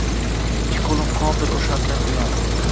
Ikki qo’lim qondir o’shandan buyon».